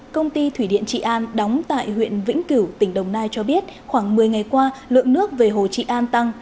công ty thủy điện trị an đóng tại huyện vĩnh cửu tỉnh đồng nai cho biết khoảng một mươi ngày qua lượng nước về hồ trị an tăng